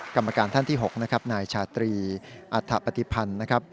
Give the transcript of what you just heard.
กรรมการท่านที่๖นะครับนายชาตรีอัฐปฏิพันธ์นะครับ